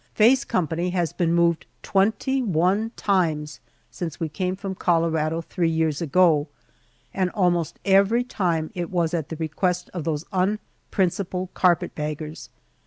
Faye's company has been moved twenty one times since we came from Colorado three years ago, and almost every time it was at the request of those unprincipled carpetbaggers.